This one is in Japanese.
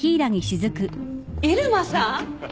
入間さん？